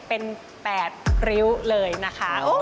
เป็น๘ริ้วเลยนะคะ